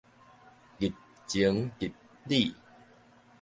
入情入理